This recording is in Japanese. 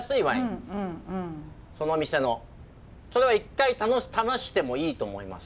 それは一回試してもいいと思います。